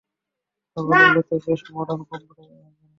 ছাগলগুলো তো বেশ মর্ডান কম্পিউটার ব্যবহার করে।